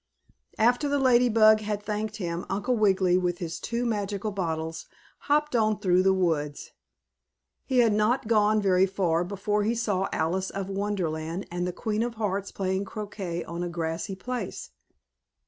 After the Lady Bug had thanked him, Uncle Wiggily, with his two magical bottles, hopped on through the woods. He had not gone very far before he saw Alice of Wonderland and the Queen of Hearts playing croquet on a grassy place.